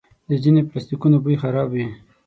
د ځینو پلاسټیکونو بوی خراب وي.